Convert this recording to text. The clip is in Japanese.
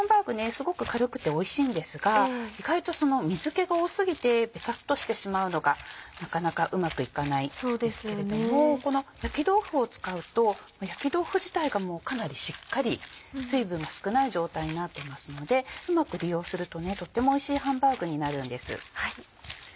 すごく軽くておいしいんですが意外と水気が多過ぎてベタっとしてしまうのがなかなかうまくいかないんですけれどもこの焼き豆腐を使うと焼き豆腐自体がかなりしっかり水分が少ない状態になってますのでうまく利用するととってもおいしいハンバーグになるんです。